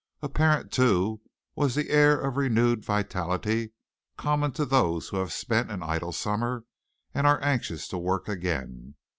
Apparent too was the air of renewed vitality common to those who have spent an idle summer and are anxious to work again.